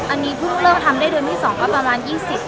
อันนี้เพิ่งเลิกทำได้เดือนที่๒ก็ประมาณ๒๐